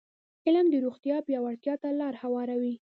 علم د روغتیا پیاوړتیا ته لاره هواروي.